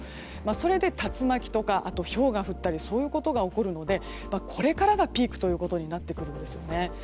それで竜巻とかひょうが降ったりが起こるので、これからがピークとなってくるんですね。